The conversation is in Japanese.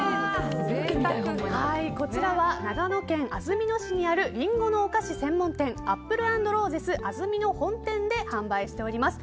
こちらは長野県安曇野市にあるリンゴのお菓子専門店アップル＆ローゼス安曇野本店で販売しております。